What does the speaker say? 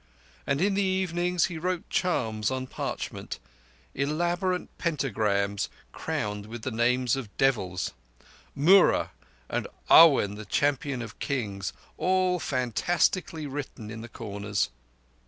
And in the evenings he wrote charms on parchment—elaborate pentagrams crowned with the names of devils—Murra, and Awan the Companion of Kings—all fantastically written in the corners.